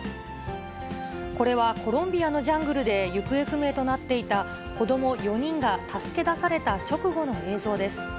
これはコロンビアのジャングルで行方不明となっていた子ども４人が助け出された直後の映像です。